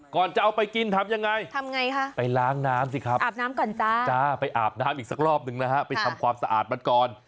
ก่อนจะเอาไปกินทำอย่างไรไปล้างน้ำสิครับไปอาบน้ำอีกสักรอบหนึ่งนะฮะไปทำความสะอาดมันก่อน